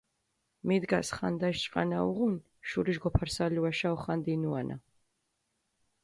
მიდგას ხანდაშ ჭყანა უღუნ, შურიშ გოფარსალუაშა ოხანდინუანა.